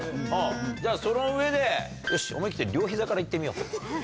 じゃあその上でよし思い切って両ひざから行ってみよう。